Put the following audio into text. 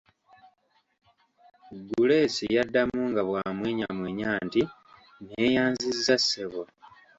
Guleesi yaddamu nga bw'amwenyamwenya nti: "neeyanziza ssebo"